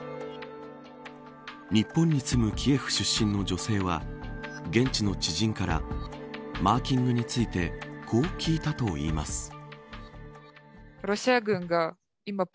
日本に住むキエフ出身の女性は現地の知人からマーキングについてこう聞いたといいます。